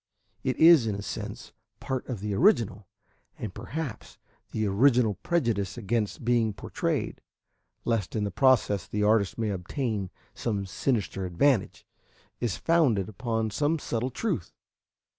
It is, in a sense, part of the original, and perhaps the oriental prejudice against being portrayed, lest in the process the artist may obtain some sinister advantage, is founded upon some subtle truth.